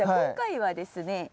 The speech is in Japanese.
今回はですね